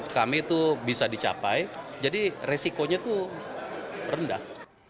kami itu bisa dicapai jadi resikonya itu rendah